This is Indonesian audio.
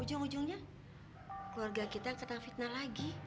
ujung ujungnya keluarga kita kena fitnah lagi